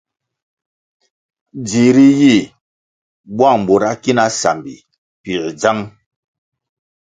Dzihri yih buang bura ki na sambi pięr dzang.